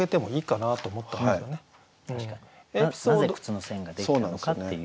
なぜ靴の線が出来たのかっていう。